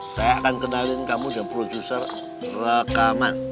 saya akan kenalin kamu dengan producer rekaman